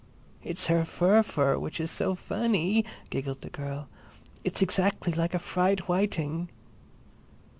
"It's her fu fur which is so funny," giggled the girl. "It's exactly like a fried whiting."